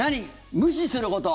無視すること。